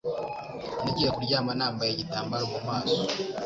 Nagiye kuryama nambaye igitambaro mu maso.